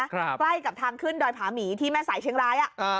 ใกล้กับทางขึ้นดอยผาหมีที่แม่สายเชียงราย